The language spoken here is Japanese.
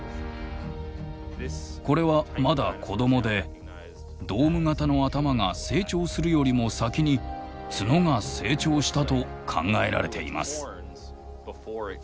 これはまだ子どもでドーム型の頭が成長するよりも先に角が成長したと考えられています。